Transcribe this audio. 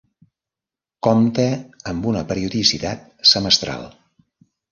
Compta amb una periodicitat semestral.